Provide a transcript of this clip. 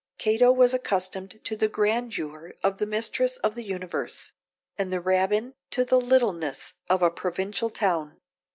Cato was accustomed to the grandeur of the mistress of the universe; and the Rabbin to the littleness of a provincial town.